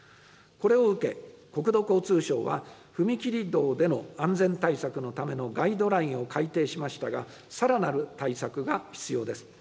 これを受け、国土交通省は、踏切道での安全対策のためのガイドラインを改定しましたが、さらなる対策が必要です。